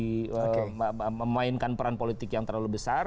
tidak lagi memainkan peran politik yang terlalu besar